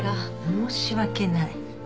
申し訳ない？